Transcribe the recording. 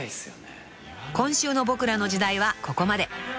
［今週の『ボクらの時代』はここまで］